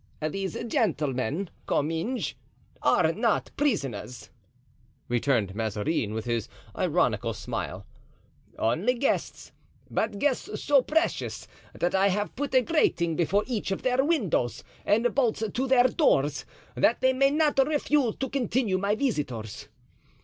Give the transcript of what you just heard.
"These gentlemen, Comminges, are not prisoners," returned Mazarin, with his ironical smile, "only guests; but guests so precious that I have put a grating before each of their windows and bolts to their doors, that they may not refuse to continue my visitors.